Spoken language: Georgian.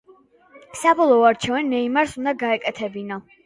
საბოლოო არჩევანი ნეიმარს უნდა გაეკეთებინა.